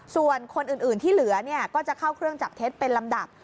ส่วนคนอื่นที่เหลือก็จะเข้าเครื่องจับเท็จเป็นลำดับ